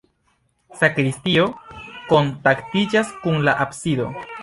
Sakristio kontaktiĝas kun la absido.